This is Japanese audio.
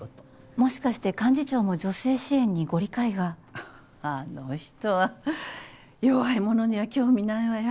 もしかして幹事長も女性支援にご理解が？ははっあの人は弱い者には興味ないわよ。